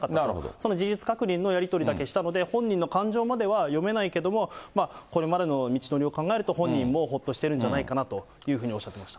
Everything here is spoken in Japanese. その事実確認のやり取りだけしたので、本人の感情までは読めないけども、これまでの道のりを考えると、本人もほっとしてるんじゃないかなというふうにおっしゃってました。